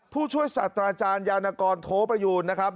ผู้ช่วยศาสตราจารยานกรโทประยูนนะครับ